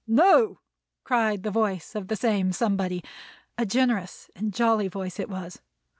"No!" cried the voice of this same somebody; a generous and jolly voice it was.